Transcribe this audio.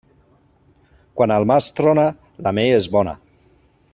Quan al març trona, l'ametla és bona.